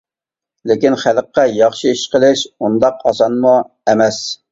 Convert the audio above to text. لېكىن، خەلققە ياخشى ئىش قىلىش ئۇنداق ئاسانمۇ ئەمەس.